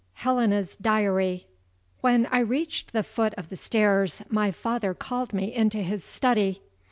HELENA'S DIARY. When I reached the foot of the stairs, my father called me into his study.